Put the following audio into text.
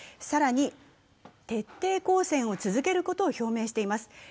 更に徹底抗戦を続けることを表明しています。